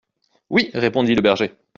Oui ! répondit le berger.